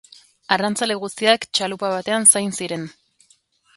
Arrantzale guztiak txalupa batean zain ziren.